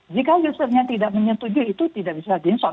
jika usernya tidak menyetujui itu tidak bisa diinsor